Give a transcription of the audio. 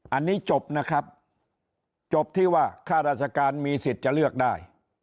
อันนี้จบนะครับจบที่ว่าข้าราชการมีสิทธิ์จะเลือกได้